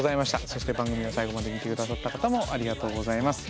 そして番組を最後まで見て下さった方もありがとうございます。